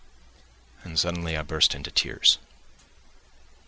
And suddenly I burst into tears.